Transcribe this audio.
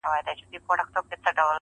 o دعوه د سړيتوب دي لا مشروطه بولمیاره ,